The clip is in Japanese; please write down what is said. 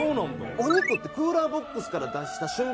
お肉ってクーラーボックスから出した瞬間